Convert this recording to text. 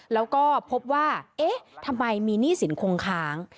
แล้วก็พบว่าเอ๊ะทำไมมีหนี้สินคงค้าง